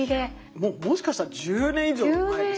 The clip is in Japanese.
もうもしかしたら１０年以上前ですよ。